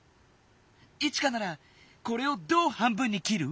イチカならこれをどう半分にきる？